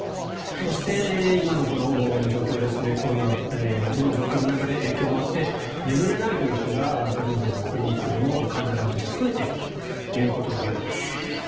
そして今のこの状況ですねコロナの状況の中で影響もあって眠れないという人が梶本先生のクリニックでも患者さんが増えているということです。